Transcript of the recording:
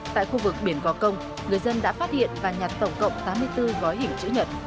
tại khu vực biển gò công người dân đã phát hiện và nhặt tổng cộng tám mươi bốn gói hình chữ nhật